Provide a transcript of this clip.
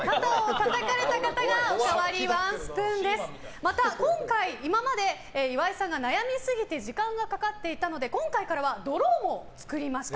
また今回今まで岩井さんが悩みすぎて時間がかかっていたので今回からはドローも作りました。